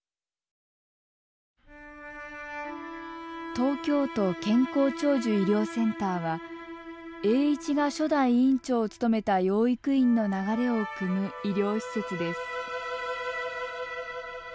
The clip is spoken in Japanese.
東京都健康長寿医療センターは栄一が初代院長を務めた養育院の流れをくむ医療施設です。